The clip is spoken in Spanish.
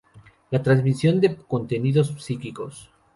La transmisión de contenidos psíquicos